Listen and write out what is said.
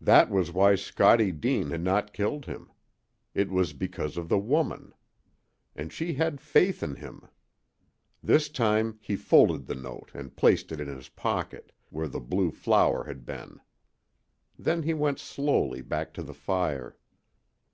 That was why Scottie Deane had not killed him. It was because of the woman. And she had faith in him! This time he folded the note and placed it in his pocket, where the blue flower had been. Then he went slowly back to the fire.